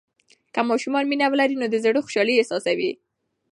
که ماشومان مینه ولري، نو د زړه خوشالي احساسوي.